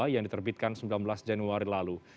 yang diterbitkan sembilan belas januari lalu